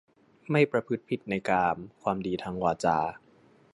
ไม่ประพฤติผิดในกาม ความดีทางวาจา